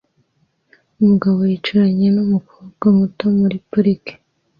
Umugabo yicaranye numukobwa muto muri parike